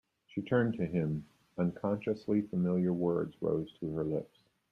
She turned to him; unconsciously familiar words rose to her lips.